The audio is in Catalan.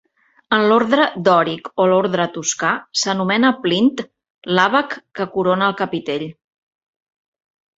En l'ordre dòric o l'ordre toscà, s'anomena plint l'àbac que corona el capitell.